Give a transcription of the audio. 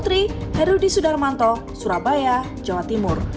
banjirop akan cepat berkarat